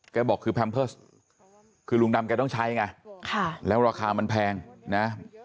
บอกคือแพมเพิร์สคือลุงดำแกต้องใช้ไงแล้วราคามันแพงนะ